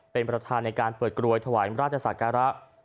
เป็นประธานในการเปิดกรวยถวายราชศักระ